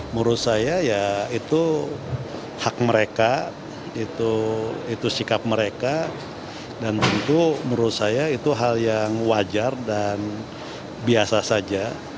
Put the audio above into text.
menurut saya ya itu hak mereka itu sikap mereka dan tentu menurut saya itu hal yang wajar dan biasa saja